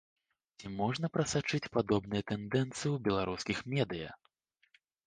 Ці можна прасачыць падобныя тэндэнцыі ў беларускіх медыя?